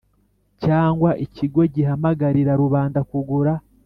Cyangwa ikigo gihamagarira rubanda kugura